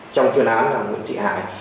trong chuyên án là nguyễn thị hải